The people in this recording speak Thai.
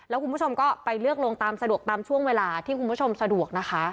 แล้วคุณผู้ชมก็ไปเลือกลงตามสะดวกตามช่วงเวลาที่คุณผู้ชมสะดวกนะคะ